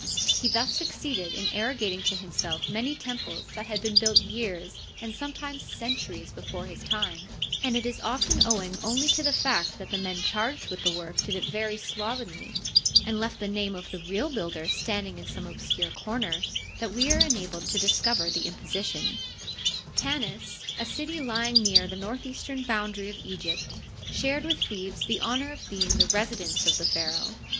He thus succeeded in arrogating to himself many temples that had been built years, and sometimes centuries, before his time ; and it is often owing only to the fact that the men charged with the work did it very slovenly, and left the name of the real builder standing in some obscure comer, that we are enabled to discover the imposition, Tanis, a city lying near the northeastern boundary of Eg^pt, shared with Thebes the honor of being the resi dence of the pharaoh.